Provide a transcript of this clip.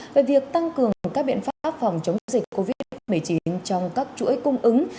về việc tăng cường các biện pháp phòng chống dịch covid một mươi chín trong các chuỗi cung ứng